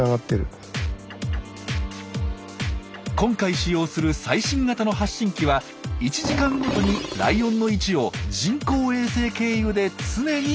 今回使用する最新型の発信機は１時間ごとにライオンの位置を人工衛星経由で常に教えてくれるんです。